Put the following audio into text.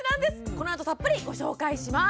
このあとたっぷりご紹介します！